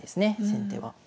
先手は。